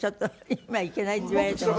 今「いけない」って言われても。